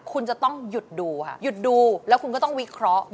คุณจะต้องหยุดดูค่ะหยุดดูแล้วคุณก็ต้องวิเคราะห์